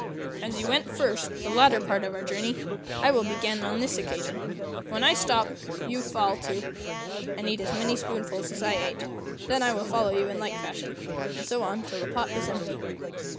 As you went first the latter part of our journey, I will begin on this occasion. When I stop, you fall to, and eat as many spoonfuls as I ate. Then I will follow you in like fashion, and so on till the pot is empty."